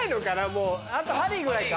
もうあとハリーぐらいか？